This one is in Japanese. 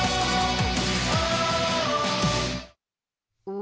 お！